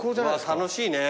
楽しいね。